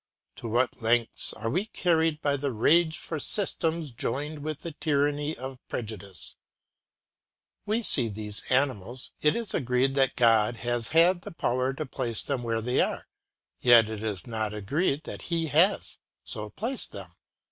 To what lengths are we carried by the rage for systems joined with the tyranny of prejudice! We see these animals; it is agreed that God has had the power to place them where they are; yet it is not agreed that he has so placed them.